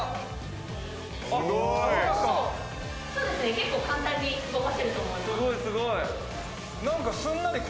結構簡単に動かせると思います。